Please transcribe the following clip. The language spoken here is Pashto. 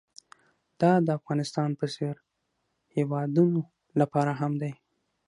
دا د افغانستان په څېر هېوادونو لپاره هم دی.